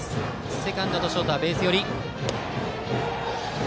セカンドとショートはベース寄り。